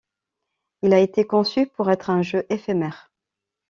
Il a été conçu pour être un jeu éphémère.